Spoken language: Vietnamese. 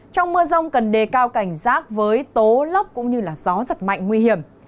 trong mưa rong cần đề cao cảnh rác với tố lốc cũng như gió giật mạnh nguy hiểm